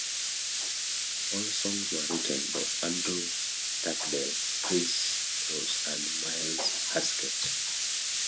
All songs were written by Andrew Stockdale, Chris Ross and Myles Heskett.